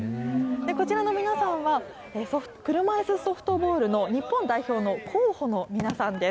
こちらの皆さんは、車いすソフトボールの日本代表の候補の皆さんです。